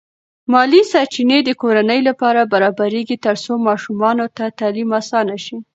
مالی سرچینې د کورنۍ لپاره برابرېږي ترڅو ماشومانو ته تعلیم اسانه شي.